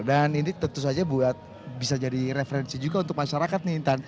dan ini tentu saja buat bisa jadi referensi juga untuk masyarakat nih intan